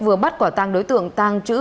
vừa bắt quả tăng đối tượng tăng chữ